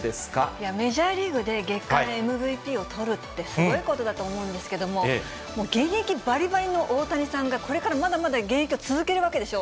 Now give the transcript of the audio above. いや、メジャーリーグで月間ＭＶＰを取るって、すごいことだと思うんですけれども、現役ばりばりの大谷さんがこれからまだまだ現役を続けるわけでしょ。